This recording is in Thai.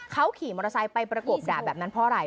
เขาขี่มอเตอร์ไซค์ไปประกบด่าแบบนั้นเพราะอะไร